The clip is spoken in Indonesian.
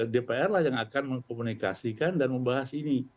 dpr lah yang akan mengkomunikasikan dan membahas ini